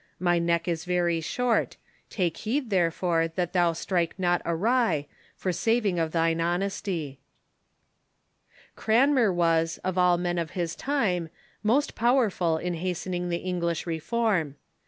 My neck is very short ; take heed, therefore, that thou strike not awry, for saving of thine honesty." THE ENGLISH REFORMATION 249 Cranmev was, of all men of his time, most powerful in hast ening the English reform.